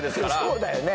そうだよね。